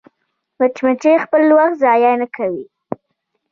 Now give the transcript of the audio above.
مچمچۍ خپل وخت ضایع نه کوي